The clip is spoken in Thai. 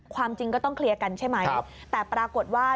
จริงก็ต้องเคลียร์กันใช่ไหมแต่ปรากฏว่า